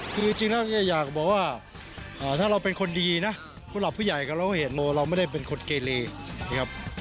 คือจริงแล้วอยากบอกว่าถ้าเราเป็นคนดีนะผู้หลักผู้ใหญ่กับเราก็เห็นโมเราไม่ได้เป็นคนเกเลนะครับ